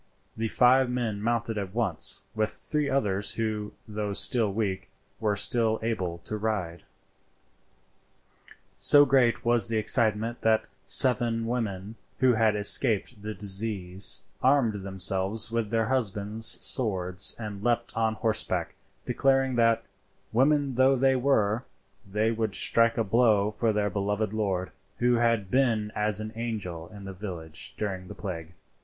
The five men mounted at once, with three others who, though still weak, were still able to ride. So great was the excitement that seven women, who had escaped the disease, armed themselves with their husbands' swords and leaped on horseback, declaring that, women though they were, they would strike a blow for their beloved lord, who had been as an angel in the village during the plague.